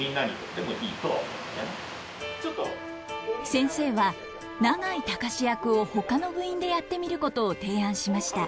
先生は永井隆役をほかの部員でやってみることを提案しました。